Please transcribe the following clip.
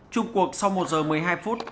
trung cuộc sau một giờ một mươi hai phút